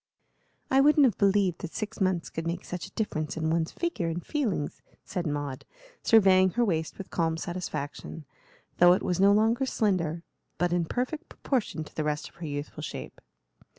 "I wouldn't have believed that six months could make such a difference in one's figure and feelings," said Maud, surveying her waist with calm satisfaction, though it was no longer slender, but in perfect proportion to the rest of her youthful shape.